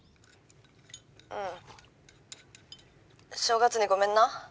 ☎うん正月にごめんな